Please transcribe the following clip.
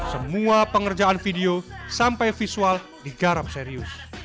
semua pengerjaan video sampai visual digarap serius